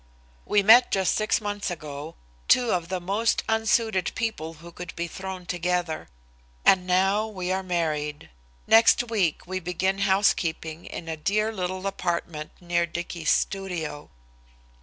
We met just six months ago, two of the most unsuited people who could be thrown together. And now we are married! Next week we begin housekeeping in a dear little apartment near Dicky's studio.